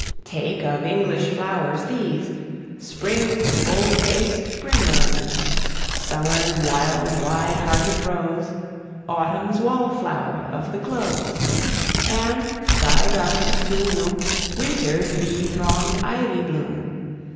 Take of English flowers these Spring's full faced primroses, Summer's wild wide hearted rose, Autumn's wall flower of the close, And, thy darkness to illume, Winter's bee thronged ivy bloom.